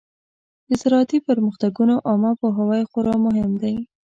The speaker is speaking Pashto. د زراعتي پرمختګونو عامه پوهاوی خورا مهم دی.